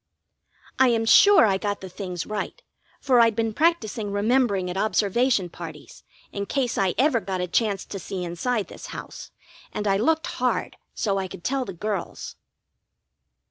I am sure I got the things right, for I'd been practising remembering at observation parties, in case I ever got a chance to see inside this house; and I looked hard so I could tell the girls.